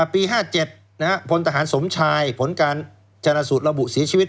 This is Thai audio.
ปี๕๗พลตหารสมชายผลการจรสุดระบุศีรชีวิต